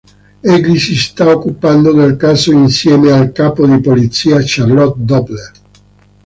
Egli si sta occupando del caso insieme al capo di polizia Charlotte Doppler.